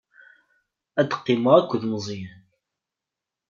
Ad qqimeɣ akked Meẓyan.